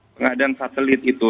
pengadaan satelit itu